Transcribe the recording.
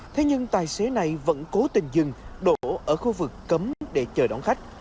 thế nhưng tài xế này vẫn cố tình dừng đổ ở khu vực cấm để chờ đón khách